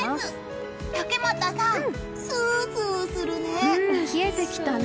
竹俣さん、スースーするね。